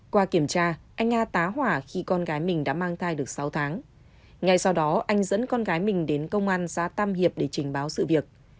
qua kiểm tra anh nga tá hỏa khi con gái mình đã mang thai được sáu tháng ngay sau đó anh dẫn con gái mình đến công an xã tam hiệp để trình báo sự việc